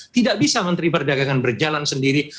tidak bisa menteri perdagangan berjalan sendiri